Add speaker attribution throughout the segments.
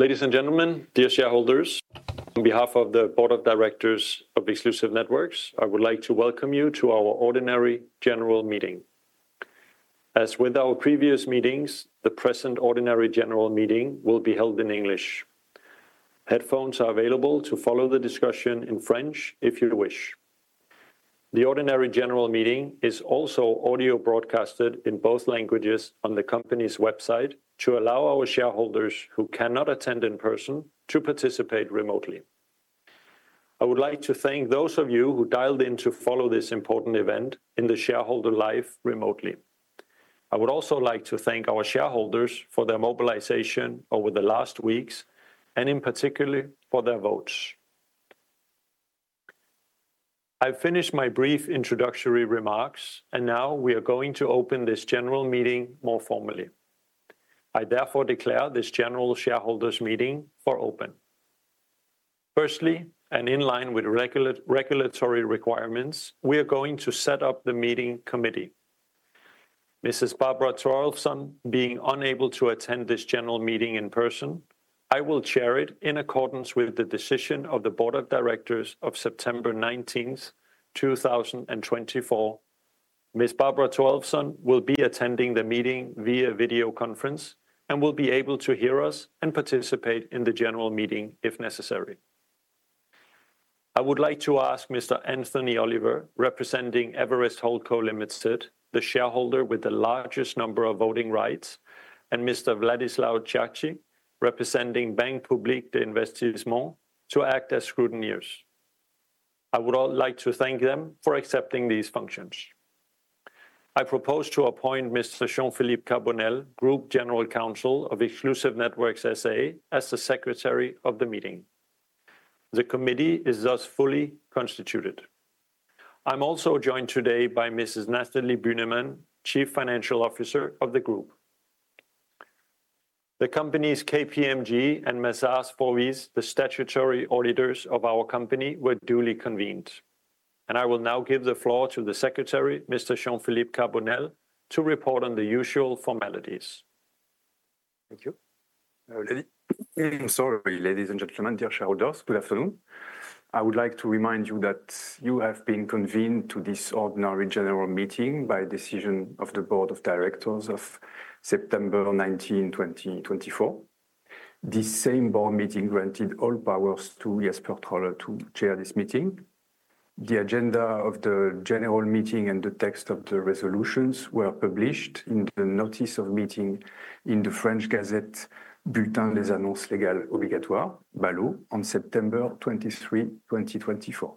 Speaker 1: Ladies and gentlemen, dear shareholders, on behalf of the Board of Directors of Exclusive Networks, I would like to welcome you to our Ordinary General Meeting. As with our previous meetings, the present Ordinary General Meeting will be held in English. Headphones are available to follow the discussion in French if you wish. The Ordinary General Meeting is also audio broadcasted in both languages on the company's website to allow our shareholders who cannot attend in person to participate remotely. I would like to thank those of you who dialed in to follow this important event in the shareholder life remotely. I would also like to thank our shareholders for their mobilization over the last weeks, and in particular for their votes. I've finished my brief introductory remarks, and now we are going to open this General Meeting more formally. I therefore declare this General Shareholders' Meeting open. Firstly, and in line with regulatory requirements, we are going to set up the meeting committee. Mrs. Barbara Thoralfsson, being unable to attend this General Meeting in person, I will chair it in accordance with the decision of the Board of Directors of September 19, 2024. Ms. Barbara Thoralfsson will be attending the meeting via video conference and will be able to hear us and participate in the General Meeting if necessary. I would like to ask Mr. Antony Oliver, representing Everest Holdco Limited, the shareholder with the largest number of voting rights, and Mr. Vladislav Čaček, representing Banque Publique d'Investissement, to act as scrutineers. I would like to thank them for accepting these functions. I propose to appoint Mr. Jean-Philippe Carbonnel, Group General Counsel of Exclusive Networks S.A., as the Secretary of the Meeting. The committee is thus fully constituted. I'm also joined today by Mrs. Nathalie Bühnemann, Chief Financial Officer of the Group. The companies KPMG and Forvis Mazars, the statutory auditors of our company, were duly convened, and I will now give the floor to the Secretary, Mr. Jean-Philippe Carbonnel, to report on the usual formalities. Thank you.
Speaker 2: Sorry, ladies and gentlemen, dear shareholders, good afternoon. I would like to remind you that you have been convened to this Ordinary General Meeting by decision of the Board of Directors of September 19, 2024. This same board meeting granted all powers to Jesper Trolle to chair this meeting. The agenda of the General Meeting and the text of the resolutions were published in the Notice of Meeting in the French gazette Bulletin des Annonces Légales Obligatoires, BALO, on September 23, 2024.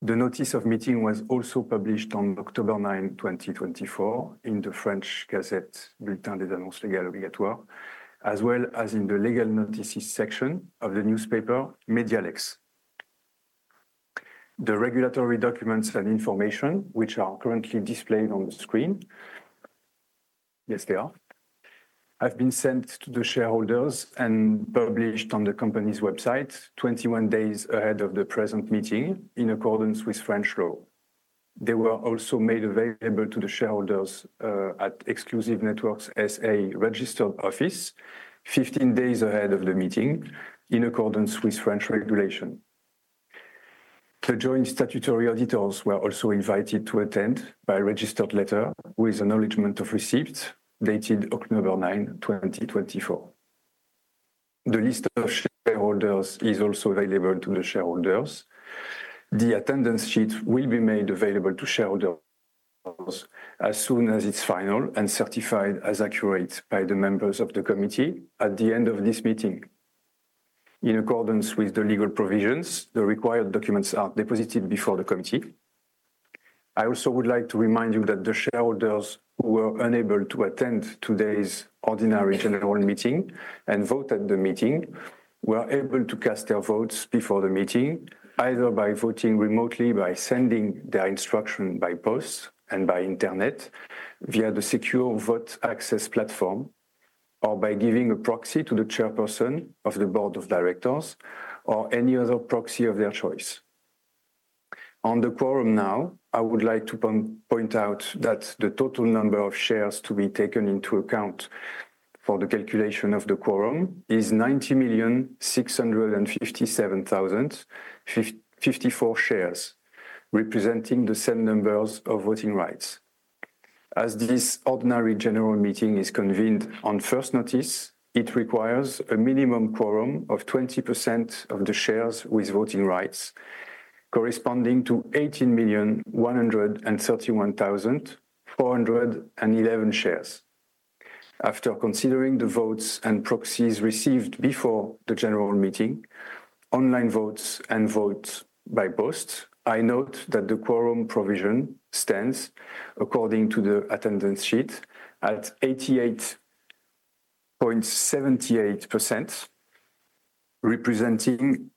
Speaker 2: The Notice of Meeting was also published on October 9, 2024, in the French gazette Bulletin des Annonces Légales Obligatoires, as well as in the Legal Notices section of the newspaper Medialex. The regulatory documents and information, which are currently displayed on the screen, yes, they are, have been sent to the shareholders and published on the company's website 21 days ahead of the present meeting in accordance with French law. They were also made available to the shareholders at Exclusive Networks S.A. Registered Office 15 days ahead of the meeting in accordance with French regulation. The joint statutory auditors were also invited to attend by registered letter with acknowledgment of receipt dated October 9, 2024. The list of shareholders is also available to the shareholders. The attendance sheet will be made available to shareholders as soon as it's final and certified as accurate by the members of the committee at the end of this meeting. In accordance with the legal provisions, the required documents are deposited before the committee. I also would like to remind you that the shareholders who were unable to attend today's Ordinary General Meeting and vote at the meeting were able to cast their votes before the meeting either by voting remotely, by sending their instruction by post and by internet via the secure vote access platform, or by giving a proxy to the Chairperson of the Board of Directors or any other proxy of their choice. On the quorum now, I would like to point out that the total number of shares to be taken into account for the calculation of the quorum is 90,657,054 shares, representing the same numbers of voting rights. As this Ordinary General Meeting is convened on first notice, it requires a minimum quorum of 20% of the shares with voting rights corresponding to 18,131,411 shares. After considering the votes and proxies received before the General Meeting, online votes, and votes by post, I note that the quorum provision stands according to the attendance sheet at 88.78%, representing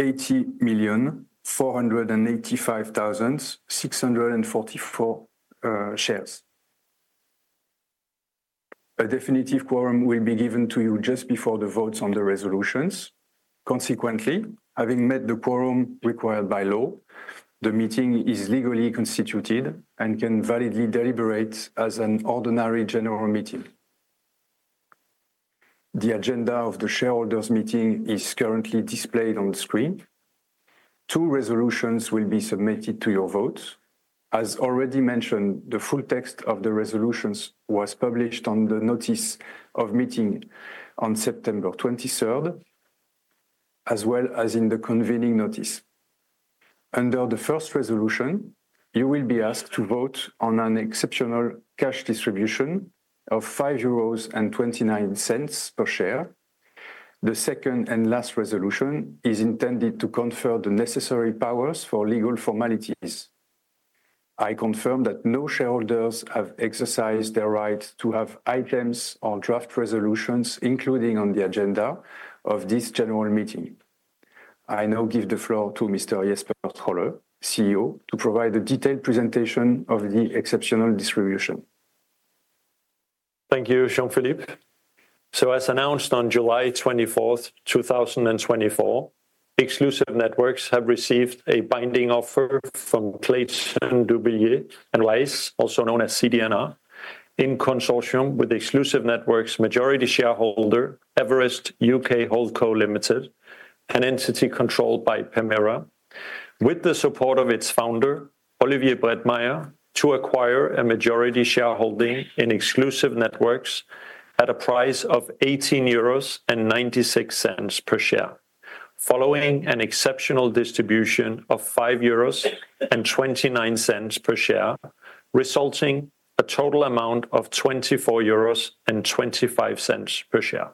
Speaker 2: 80,485,644 shares. A definitive quorum will be given to you just before the votes on the resolutions. Consequently, having met the quorum required by law, the meeting is legally constituted and can validly deliberate as an Ordinary General Meeting. The agenda of the shareholders meeting is currently displayed on the screen. Two resolutions will be submitted to your vote. As already mentioned, the full text of the resolutions was published on the Notice of Meeting on September 23, as well as in the convening notice. Under the first resolution, you will be asked to vote on an exceptional cash distribution of 5.29 euros per share. The second and last resolution is intended to confer the necessary powers for legal formalities. I confirm that no shareholders have exercised their right to have items or draft resolutions including on the agenda of this General Meeting. I now give the floor to Mr. Jesper Trolle, CEO, to provide a detailed presentation of the exceptional distribution.
Speaker 1: Thank you, Jean-Philippe. So, as announced on July 24, 2024, Exclusive Networks have received a binding offer from Clayton, Dubilier & Rice, also known as CD&R, in consortium with Exclusive Networks' majority shareholder, Everest UK Holdco Limited, an entity controlled by Permira, with the support of its founder, Olivier Breittmayer, to acquire a majority shareholding in Exclusive Networks at a price of 18.96 euros per share, following an exceptional distribution of 5.29 euros per share, resulting in a total amount of 24.25 euros per share.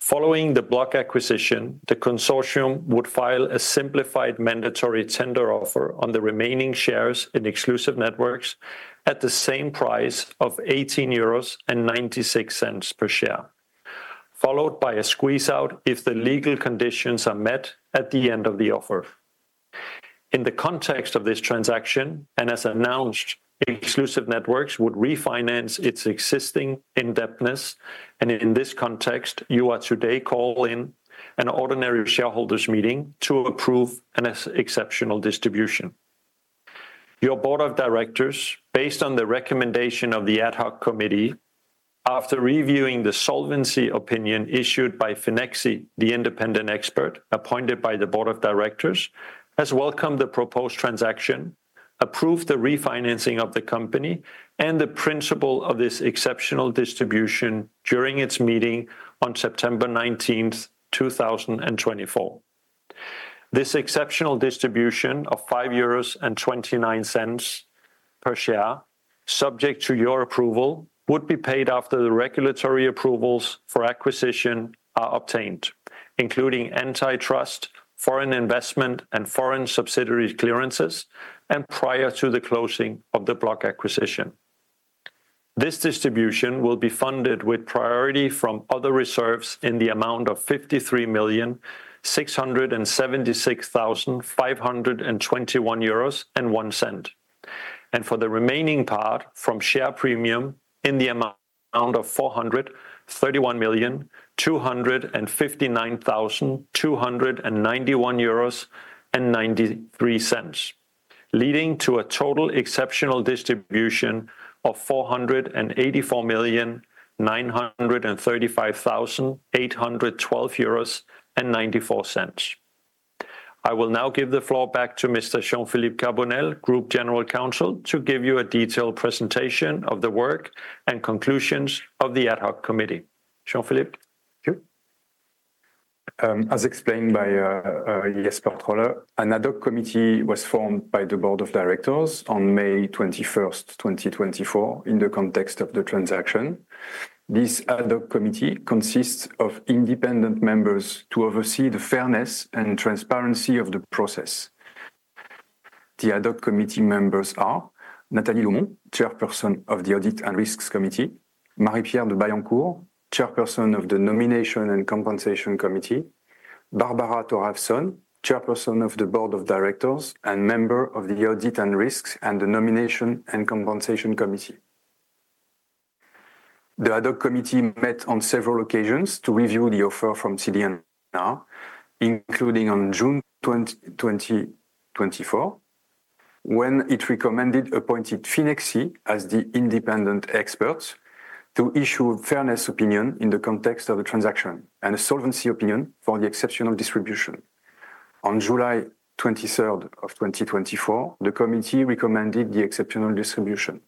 Speaker 1: Following the block acquisition, the consortium would file a simplified mandatory tender offer on the remaining shares in Exclusive Networks at the same price of 18.96 euros per share, followed by a squeeze-out if the legal conditions are met at the end of the offer. In the context of this transaction, and as announced, Exclusive Networks would refinance its existing indebtedness, and in this context, you are to call in an Ordinary General Meeting to approve an exceptional distribution. Your Board of Directors, based on the recommendation of the Ad Hoc Committee, after reviewing the solvency opinion issued by Finexi, the independent expert appointed by the Board of Directors, has welcomed the proposed transaction, approved the refinancing of the company, and the principle of this exceptional distribution during its meeting on September 19, 2024. This exceptional distribution of €5.29 per share, subject to your approval, would be paid after the regulatory approvals for acquisition are obtained, including antitrust, foreign investment, and foreign subsidies clearances, and prior to the closing of the block acquisition. This distribution will be funded with priority from other reserves in the amount of 53,676,521.01 euros, and for the remaining part from share premium in the amount of 431,259,291.93 euros, leading to a total exceptional distribution of 484,935,812.94 euros. I will now give the floor back to Mr. Jean-Philippe Carbonell, Group General Counsel, to give you a detailed presentation of the work and conclusions of the Ad Hoc Committee. Jean-Philippe, thank you.
Speaker 2: As explained by Jesper Trolle, an Ad Hoc Committee was formed by the Board of Directors on May 21, 2024, in the context of the transaction. This Ad Hoc Committee consists of independent members to oversee the fairness and transparency of the process. The Ad Hoc Committee members are Nathalie Bühnemann, Chairperson of the Audit and Risks Committee, Marie-Pierre de Bailliencourt, Chairperson of the Nomination and Compensation Committee, Barbara Thoralfsson, Chairperson of the Board of Directors and member of the Audit and Risks and the Nomination and Compensation Committee. The Ad Hoc Committee met on several occasions to review the offer from CD&R, including on June 20, 2024, when it recommended appointing Finexi as the independent experts to issue a fairness opinion in the context of the transaction and a solvency opinion for the exceptional distribution. On July 23, 2024, the Committee recommended the exceptional distribution.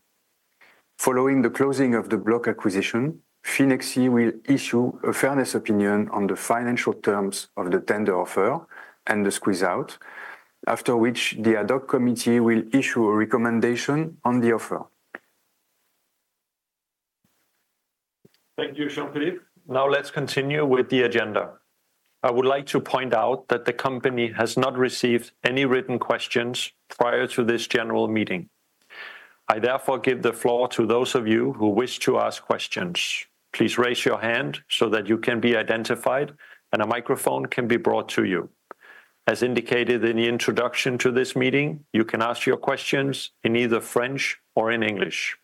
Speaker 2: Following the closing of the block acquisition, Finexi will issue a fairness opinion on the financial terms of the tender offer and the squeeze-out, after which the Ad Hoc Committee will issue a recommendation on the offer.
Speaker 1: Thank you, Jean-Philippe. Now let's continue with the agenda. I would like to point out that the company has not received any written questions prior to this General Meeting. I therefore give the floor to those of you who wish to ask questions. Please raise your hand so that you can be identified and a microphone can be brought to you. As indicated in the introduction to this meeting, you can ask your questions in either French or in English.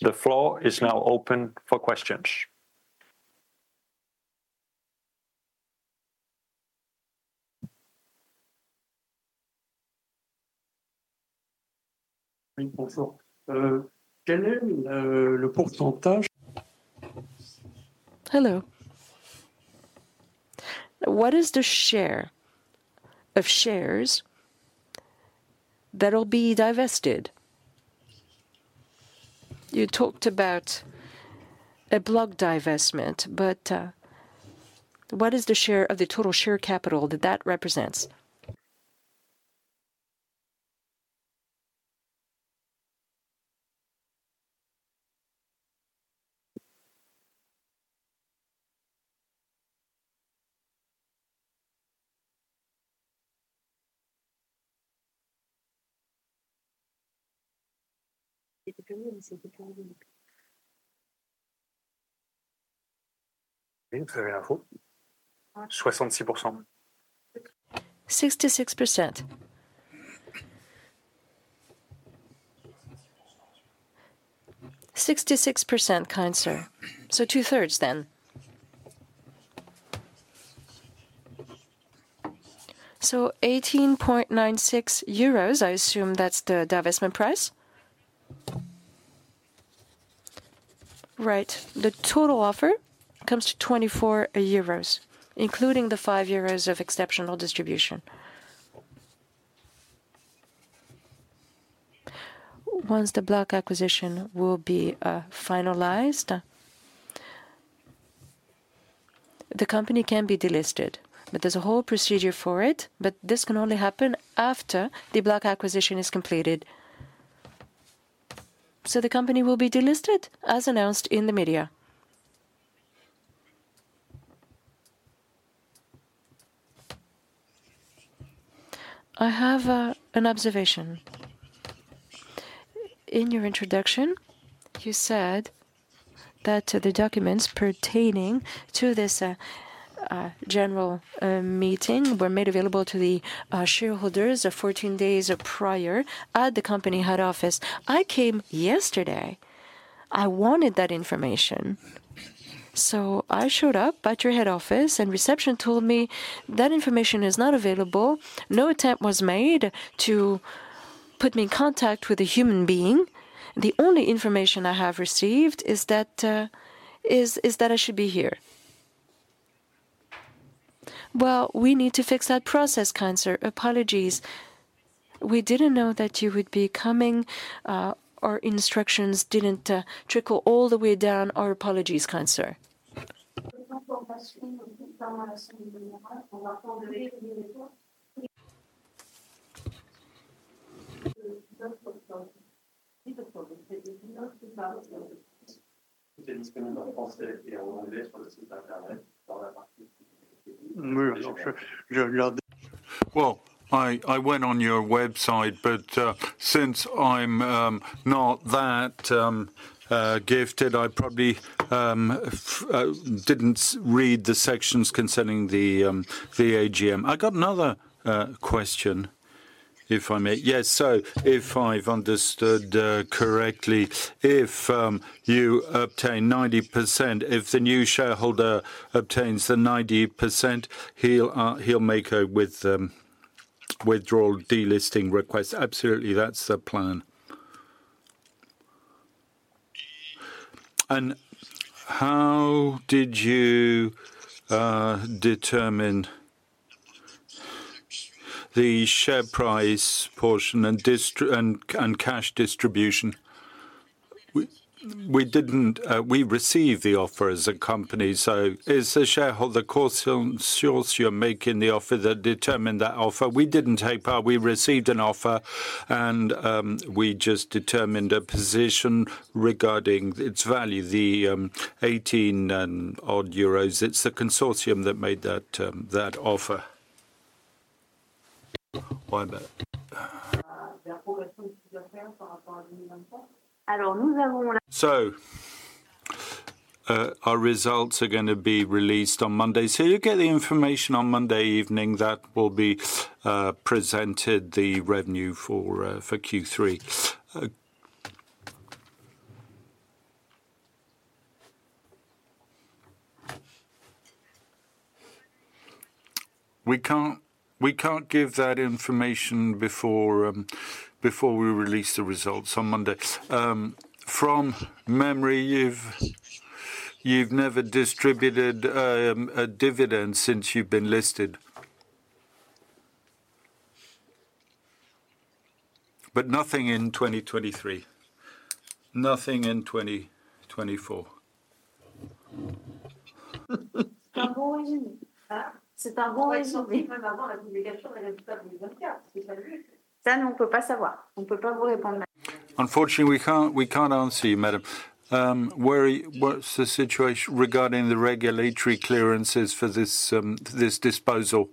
Speaker 1: The floor is now open for questions.
Speaker 3: Hello. What is the share of shares that will be divested? You talked about a block divestment, but what is the share of the total share capital that that represents?
Speaker 1: 66%.
Speaker 3: 66%. 66%, kind sir. So two-thirds then. So 18.96 euros, I assume that's the divestment price. Right. The total offer comes to 24 euros, including the 5 euros of exceptional distribution. Once the block acquisition will be finalized, the company can be delisted, but there's a whole procedure for it. But this can only happen after the block acquisition is completed. So the company will be delisted, as announced in the media. I have an observation. In your introduction, you said that the documents pertaining to this General Meeting were made available to the shareholders 14 days prior at the company head office. I came yesterday. I wanted that information. So I showed up at your head office, and reception told me that information is not available. No attempt was made to put me in contact with a human being. The only information I have received is that I should be here. We need to fix that process, kind sir. Apologies. We didn't know that you would be coming. Our instructions didn't trickle all the way down. Our apologies, kind sir. I got another question, if I may. Yes. If I've understood correctly, if you obtain 90%, if the new shareholder obtains the 90%, he'll make a withdrawal delisting request. Absolutely. That's the plan. How did you determine the share price portion and cash distribution? We received the offer as a company. So, is the shareholder consortium you're making the offer that determined that offer? We didn't take part. We received an offer, and we just determined a position regarding its value, the 18 euros. It's the consortium that made that offer. Our results are going to be released on Monday. You get the information on Monday evening that will be presented, the revenue for Q3. We can't give that information before we release the results on Monday. From memory, you've never distributed a dividend since you've been listed. Nothing in 2023. Nothing in 2024.
Speaker 1: Unfortunately, we can't answer you, madam. What's the situation regarding the regulatory clearances for this disposal?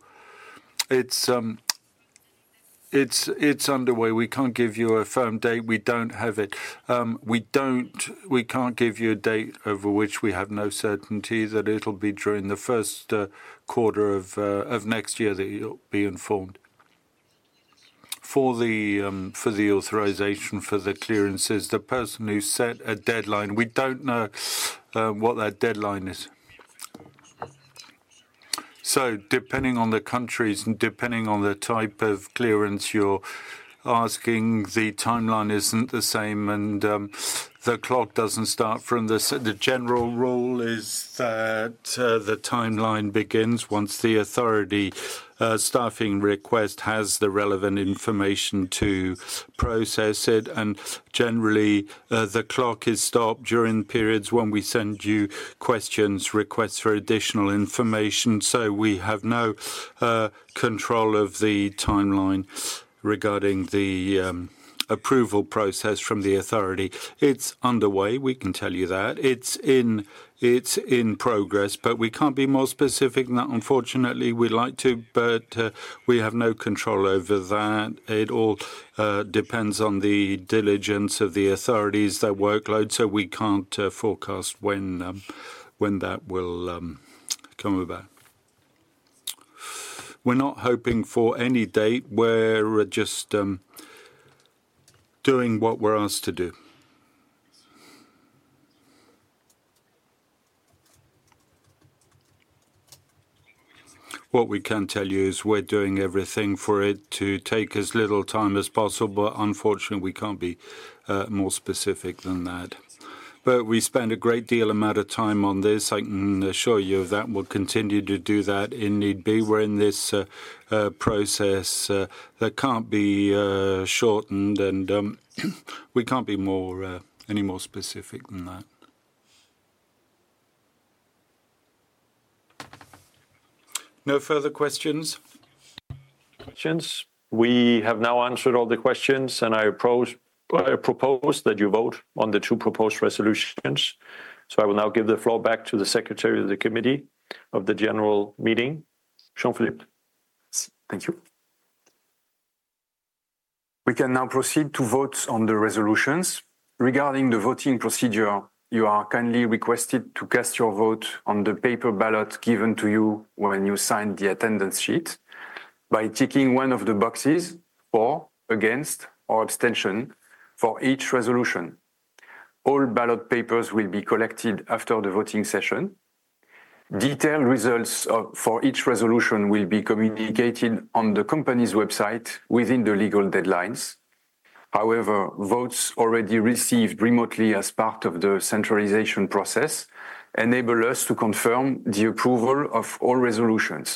Speaker 1: It's underway. We can't give you a firm date. We don't have it. We can't give you a date over which we have no certainty that it'll be during the first quarter of next year that you'll be informed. For the authorization for the clearances, the person who set a deadline, we don't know what that deadline is. So, depending on the countries and depending on the type of clearance you're asking, the timeline isn't the same, and the clock doesn't start from the... The general rule is that the timeline begins once the authority staffing request has the relevant information to process it, and generally, the clock is stopped during periods when we send you questions, requests for additional information. We have no control of the timeline regarding the approval process from the authority. It's underway. We can tell you that. It's in progress, but we can't be more specific than that. Unfortunately, we'd like to, but we have no control over that. It all depends on the diligence of the authorities, their workload. We can't forecast when that will come about. We're not hoping for any date. We're just doing what we're asked to do. What we can tell you is we're doing everything for it to take as little time as possible. Unfortunately, we can't be more specific than that. But we spend a great deal of amount of time on this. I can assure you that we'll continue to do that in need be. We're in this process that can't be shortened, and we can't be any more specific than that. No further questions? Questions? We have now answered all the questions, and I propose that you vote on the two proposed resolutions. So, I will now give the floor back to the Secretary of the Meeting. Jean-Philippe.
Speaker 2: Thank you.
Speaker 1: We can now proceed to vote on the resolutions. Regarding the voting procedure, you are kindly requested to cast your vote on the paper ballot given to you when you signed the attendance sheet by ticking one of the boxes for, against, or abstention for each resolution. All ballot papers will be collected after the voting session. Detailed results for each resolution will be communicated on the company's website within the legal deadlines. However, votes already received remotely as part of the centralization process enable us to confirm the approval of all resolutions.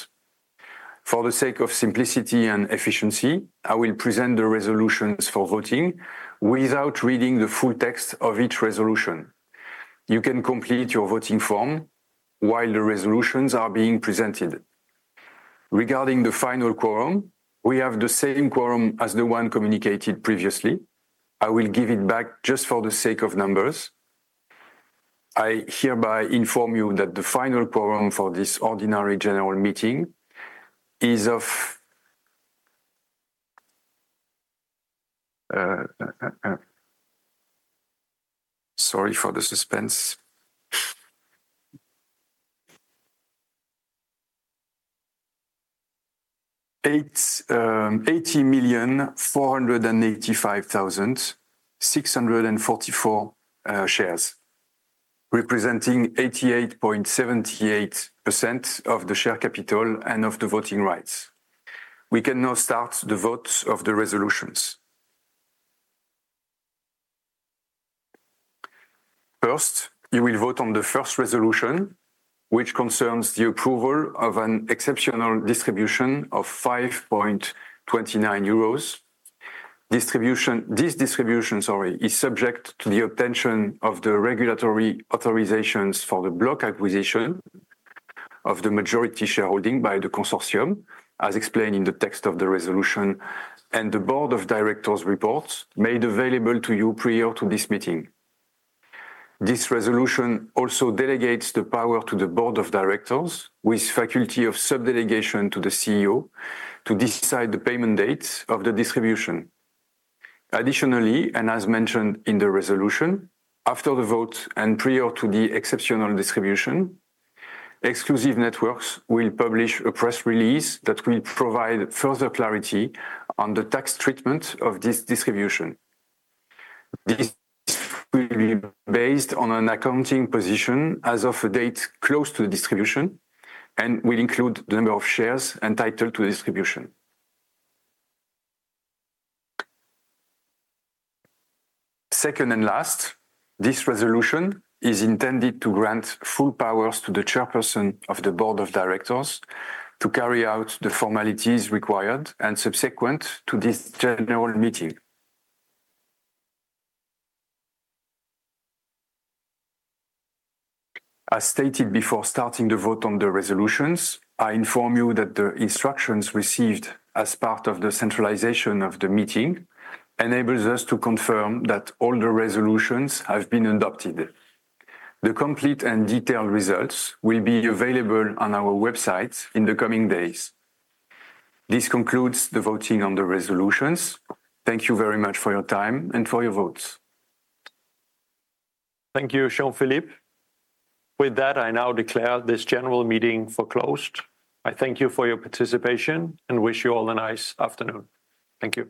Speaker 1: For the sake of simplicity and efficiency, I will present the resolutions for voting without reading the full text of each resolution. You can complete your voting form while the resolutions are being presented. Regarding the final quorum, we have the same quorum as the one communicated previously. I will give it back just for the sake of numbers. I hereby inform you that the final quorum for this Ordinary General Meeting is of... Sorry for the suspense. 80,485,644 shares, representing 88.78% of the share capital and of the voting rights. We can now start the vote of the resolutions. First, you will vote on the first resolution, which concerns the approval of an exceptional distribution of 5.29 euros. This distribution is subject to the obtention of the regulatory authorizations for the block acquisition of the majority shareholding by the consortium, as explained in the text of the resolution and the Board of Directors' report made available to you prior to this meeting. This resolution also delegates the power to the Board of Directors, with faculty of sub-delegation to the CEO, to decide the payment dates of the distribution. Additionally, and as mentioned in the resolution, after the vote and prior to the exceptional distribution, Exclusive Networks will publish a press release that will provide further clarity on the tax treatment of this distribution. This will be based on an accounting position as of a date close to the distribution and will include the number of shares entitled to the distribution. Second and last, this resolution is intended to grant full powers to the chairperson of the Board of Directors to carry out the formalities required and subsequent to this General Meeting. As stated before starting the vote on the resolutions, I inform you that the instructions received as part of the centralization of the meeting enables us to confirm that all the resolutions have been adopted. The complete and detailed results will be available on our website in the coming days. This concludes the voting on the resolutions. Thank you very much for your time and for your votes. Thank you, Jean-Philippe. With that, I now declare this General Meeting closed. I thank you for your participation and wish you all a nice afternoon. Thank you.